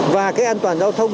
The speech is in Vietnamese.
và cái an toàn giao thông